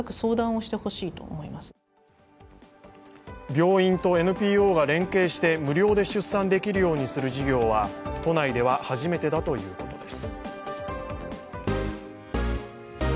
病院とＮＰＯが連携して無料で出産できるようにする事業は都内では初めてだということです。